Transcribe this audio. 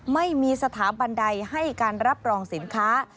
ไม่มีสถาบันใดให้การรับรองสินค้า